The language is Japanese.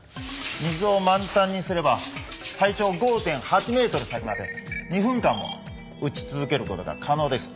水を満タンにすれば最長５．８メートル先まで２分間も撃ち続ける事が可能です。